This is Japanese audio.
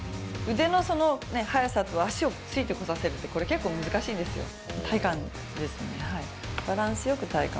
腕の速さと、足をついてこさせるって、これ、結構難しいんですよ、体幹ですね。